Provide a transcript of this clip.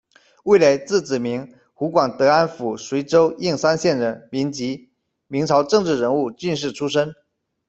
魏雷，字子鸣，湖广德安府随州应山县人，民籍，明朝政治人物、进士出身。